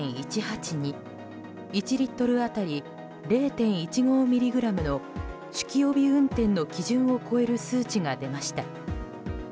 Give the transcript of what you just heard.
１リットル当たり０．１５ｍｇの酒気帯び運転の基準を超える数値が出ました。